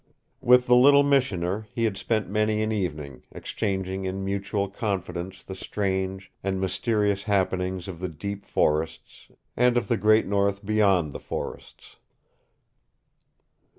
With the little missioner he had spent many an evening, exchanging in mutual confidence the strange and mysterious happenings of the deep forests, and of the great north beyond the forests.